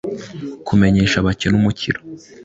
kumenyesha abakene umukiro